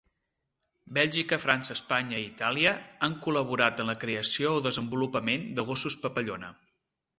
Bèlgica, França, Espanya, i Itàlia han col·laborat en la creació o desenvolupament de gossos papallona.